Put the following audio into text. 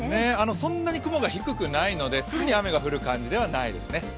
そんなに雲が低くないのですぐに雨が降る感じではないですね。